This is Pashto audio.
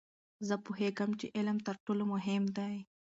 زه پوهیږم چې علم تر ټولو مهم دی.